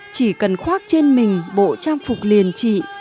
chỉ cần khoác trên mình bộ trang phục liền chị